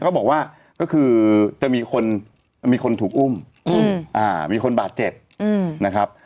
เขาบอกว่าก็คือจะมีคนถูกอุ้มมีคนบาดเจ็บนะครับ